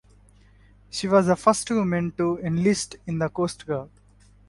She was the first woman to enlist in the Coast Guard.